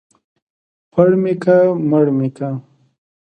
ـ پړ مى که مړ مى که.